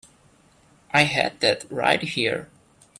I had that right here.